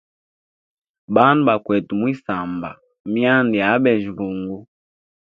Bandu bakwete mwisamba mwyanda ya abeja mbungu.